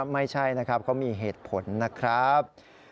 ไม่ใช่นะครับเขามีเหตุผลนะครับ